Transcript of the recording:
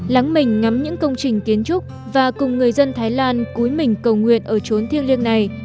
lắng mình ngắm những công trình kiến trúc và cùng người dân thái lan cúi mình cầu nguyện ở trốn thiêng liêng này